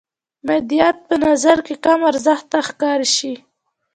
مادیات په نظر کې کم ارزښته ښکاره شي.